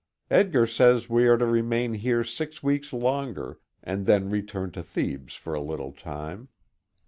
Edgar says we are to remain here six weeks longer, and then return to Thebes for a little time.